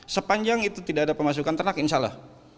sepanjang itu tidak ada pemasukan ternak insya allah